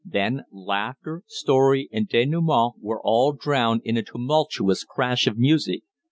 Then laughter, story, and denouement were all drowned in a tumultuous crash of music.